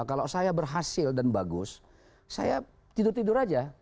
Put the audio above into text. kalau saya berhasil dan bagus saya tidur tidur aja